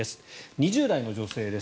２０代の女性です。